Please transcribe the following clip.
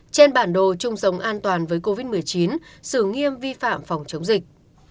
trên bản đồ chung sống an toàn với covid một mươi chín xử nghiêm vi phạm phòng chống dịch